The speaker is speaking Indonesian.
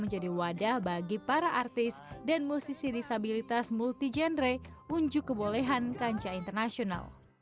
menjadi wadah bagi para artis dan musisi disabilitas multi genre unjuk kebolehan kancah internasional